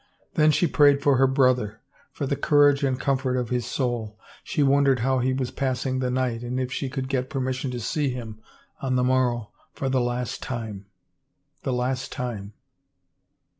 Then she prayed for her brother, for the courage and comfort of his soul. She wondered how he was passing the night and if she could get permission to see him on the morrow for the last time — the last time.